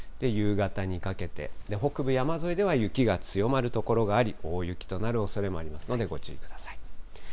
夕方にかけて、北部山沿いでは雪が強まる所があり、大雪となるおそれもありますので、ご注意ください。